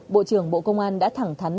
bộ trưởng bộ công an đã thẳng thắn